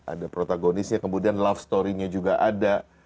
ada protagonisnya kemudian love storynya juga ada